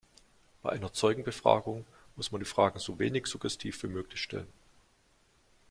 Bei einer Zeugenbefragung muss man die Fragen so wenig suggestiv wie möglich stellen.